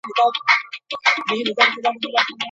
که ماشوم په کور کي ستونزه ولري نو په درس نه پوهیږي.